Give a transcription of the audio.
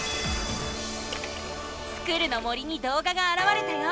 スクる！の森にどうががあらわれたよ！